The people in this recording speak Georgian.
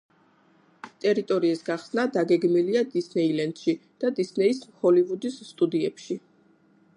ტერიტორიის გახსნა დაგეგმილია დისნეილენდში და დისნეის ჰოლივუდის სტუდიებში.